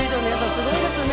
すごいですね。